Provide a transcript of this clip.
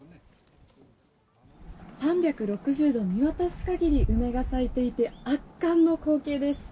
３６０度見渡す限り梅が咲いていて圧巻の光景です。